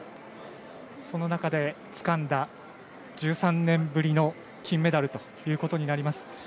その中でつかんだ１３年ぶりの金メダルということになります。